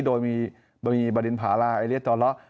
โดยมีบรินพราไอเล็สต์ตอละ